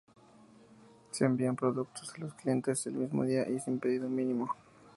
Se envían productos a los clientes el mismo día y sin pedido mínimo.